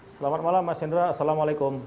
selamat malam mas hendra assalamualaikum